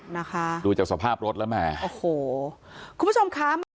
นะคะดูจากสภาพรถแล้วแหมโอ้โหคุณผู้ชมคะมา